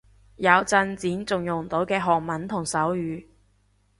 有進展仲用到嘅得韓文同手語